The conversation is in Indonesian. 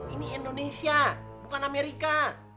ini indonesia bukan amerika